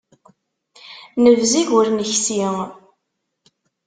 Nebzeg, ur neksi.